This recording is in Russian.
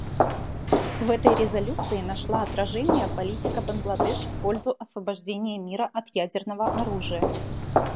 В этой резолюции нашла отражение политика Бангладеш в пользу освобождения мира от ядерного оружия.